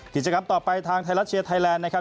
กิจกรรมต่อไปทางไทยรัฐเชียร์ไทยแลนด์นะครับ